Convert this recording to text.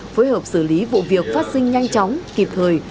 phối hợp xử lý vụ việc phát sinh nhanh chóng kịp thời